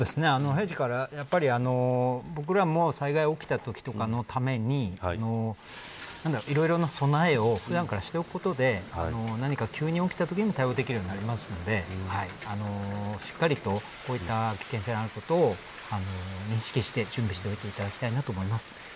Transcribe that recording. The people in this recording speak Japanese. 平時から僕らも災害が起きたときとかのためにいろいろな備えを普段からしておくことで何か急に起きたときに対応できるようになるのでしっかりと、こういった危険性があることを認識して準備しておいていただきたいと思います。